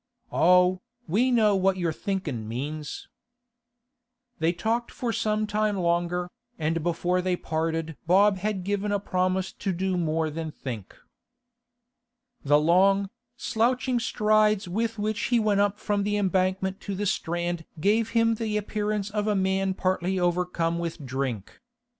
'Oh, we know what your thinkin' means.' They talked for some time longer, and before they parted Bob had given a promise to do more than think. The long, slouching strides with which he went up from the Embankment to the Strand gave him the appearance of a man partly overcome with drink.